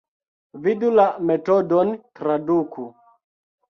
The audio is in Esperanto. Vidu la metodon traduku.